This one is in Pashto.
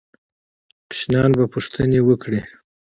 ماشومان به پوښتنې وکړي.